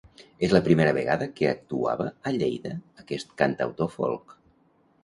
És la primera vegada que actuava a Lleida aquest cantautor folk.